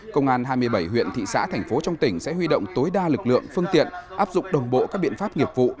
công an hai mươi bảy huyện thị xã thành phố trong tỉnh sẽ huy động tối đa lực lượng phương tiện áp dụng đồng bộ các biện pháp nghiệp vụ